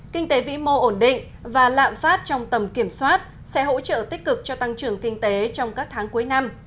kinh tế vĩ mô ổn định và lạm phát trong tầm kiểm soát sẽ hỗ trợ tích cực cho tăng trưởng kinh tế trong các tháng cuối năm